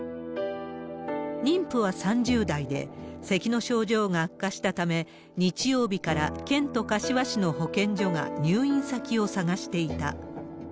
妊婦は３０代で、せきの症状が悪化したため、日曜日から県と柏市の保健所が入院先を探していた。